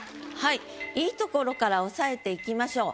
いいところから押さえていきましょう。